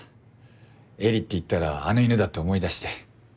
絵里っていったらあの犬だって思い出して。